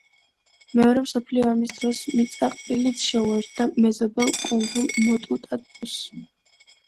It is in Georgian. მეორე მსოფლიო ომის დროს მიწაყრილით შეუერთდა მეზობელ კუნძულ მოტუტაპუს.